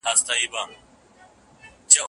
د بیټ نیکه وګړي ډېر سول مګر کور نه لري